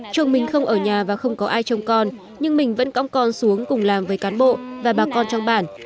chồng mình không ở nhà và không có ai trông con nhưng mình vẫn cõng con xuống cùng làm với cán bộ và bà con trong bản